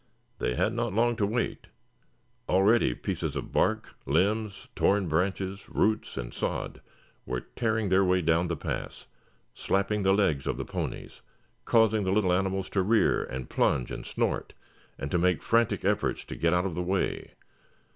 They had not long to wait. Already pieces of bark, limbs, torn branches, roots and sod were tearing their way down the pass, slapping the legs of the ponies, causing the little animals to rear and plunge and snort, and to make frantic efforts to get out of the way.